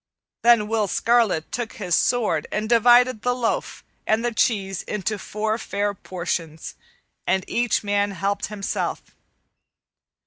Then Will Scarlet took his sword and divided the loaf and the cheese into four fair portions, and each man helped himself.